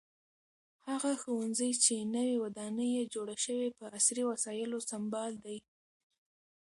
هغه ښوونځی چې نوې ودانۍ یې جوړه شوې په عصري وسایلو سمبال دی.